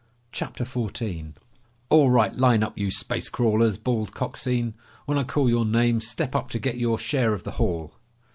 CHAPTER 14 "All right, line up, you space crawlers!" bawled Coxine. "When I call your name step up to get your share of the haul!"